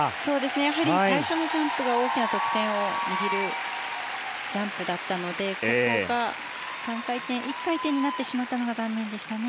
やはり最初のジャンプが大きな得点を握るジャンプだったので３回転、１回転になってしまったのが残念でしたね。